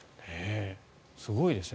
すごいですね。